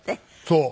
そう。